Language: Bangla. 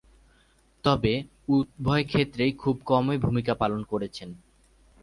তবে, উভয়ক্ষেত্রেই খুব কমই ভূমিকা পালন করেছেন।